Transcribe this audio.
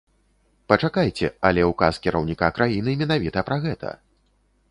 Пачакайце, але ўказ кіраўніка краіны менавіта пра гэта.